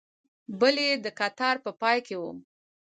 بل یې د کتار په پای کې و.